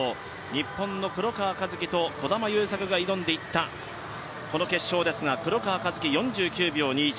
日本の黒川和樹と児玉悠作が挑んでいったこの決勝ですが黒川和樹、４９秒２１。